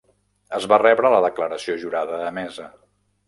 Es va rebre la declaració jurada emesa.